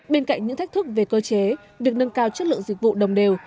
bên cạnh những thách thức về cơ chế việc nâng cao chất lượng dịch vụ đồng đều